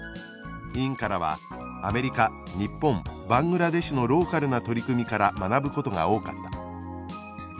委員からは「アメリカ日本バングラデシュのローカルな取り組みから学ぶことが多かった」